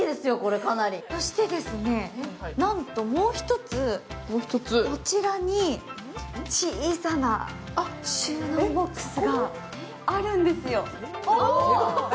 そしてなんともう一つ、こちらに小さな収納ボックスがあるんですよ。